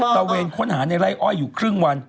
ระเวนค้นหาในไล่อ้อยอยู่ครึ่งวัน